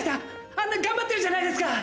あんなに頑張ってるじゃないですか！